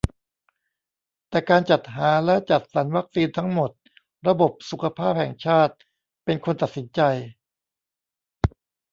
แต่การจัดหาและจัดสรรวัคซีนทั้งหมด ระบบสุขภาพแห่งชาติเป็นคนตัดสินใจ